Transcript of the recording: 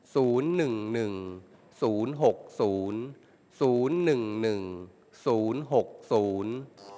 ศูนย์หนึ่งหนึ่งศูนย์หกศูนย์ศูนย์หนึ่งหนึ่งศูนย์หกศูนย์